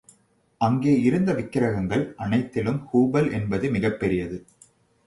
அங்கே இருந்த விக்கிரங்கள் அனைத்திலும் ஹுபல் என்பது மிகப் பெரியது.